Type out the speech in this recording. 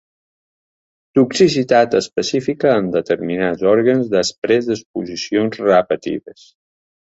Toxicitat específica en determinats òrgans després d'exposicions repetides.